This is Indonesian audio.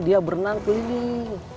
dia berenang keliling